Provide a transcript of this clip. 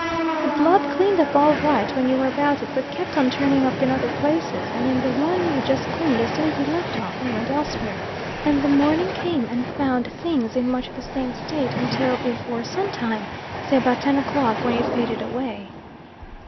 The blood cleaned up all right when you were about it, but kept on turning up in other places, and in the one you had just cleaned as soon as you left off and went elsewhere; and the morning came and found things in much the same state until "before suntime," say about 10 o'clock, when it faded away.